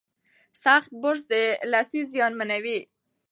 سخت برس د لثې زیانمنوي.